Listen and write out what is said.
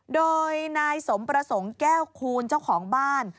โดยนายสมประสงค์แก้วคูณเจ้าของบ้าน